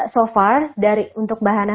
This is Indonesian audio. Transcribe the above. so far dari untuk bahana